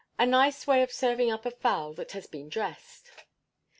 A Nice Way of serving up a fowl that has been dressed.